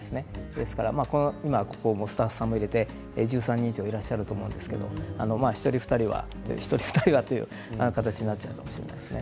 ですから今ここ、スタッフさんも入れて１３人以上いらっしゃると思いますけれども、１人２人はという形になるかもしれませんね。